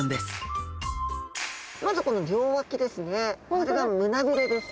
これが胸びれです。